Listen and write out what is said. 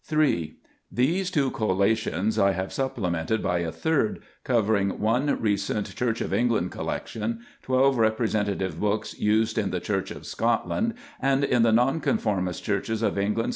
3. These two collations I have supplemented by a third, covering one recent Church of England collection, twelve representative books used in the Church of Scotland and in the Nonconformist Churches of England.